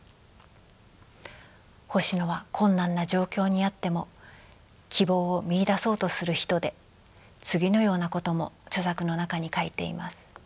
星野は困難な状況にあっても希望を見いだそうとする人で次のようなことも著作の中に書いています。